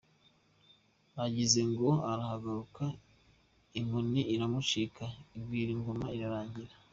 Agize ngo arahaguruka, inkoni iramucika igwira ingoma irarangira.